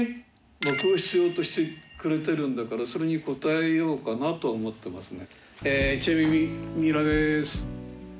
僕を必要としてくれてるんだからそれに応えようかなとは思ってますね。